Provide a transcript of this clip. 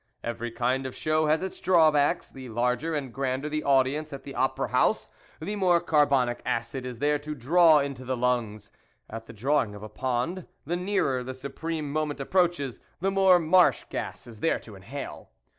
Every kind of show has its drawbacks : the larger and grander the audience at the opera house, the more carbonic acid is there to draw into the lungs ; at the draw ing of a pond, the nearer the supreme moment approaches, the more marsh gas is there to inhale.